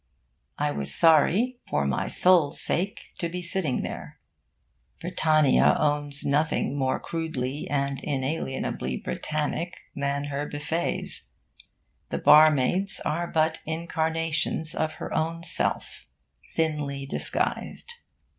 I was sorry, for my soul's sake, to be sitting there. Britannia owns nothing more crudely and inalienably Britannic than her Buffets. The barmaids are but incarnations of her own self, thinly disguised.